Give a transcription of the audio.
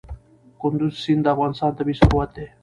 کندز سیند د افغانستان طبعي ثروت دی.